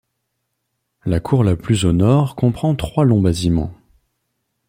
La Cour la plus au Nord comprend trois longs bâtiments.